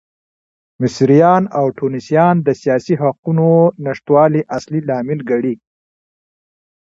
مصریان او ټونسیان د سیاسي حقونو نشتوالی اصلي لامل ګڼي.